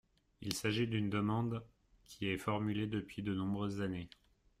Il s’agit d’une demande qui est formulée depuis de nombreuses années.